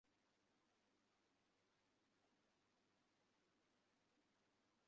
অনেক পরিবর্তন দেখিবে।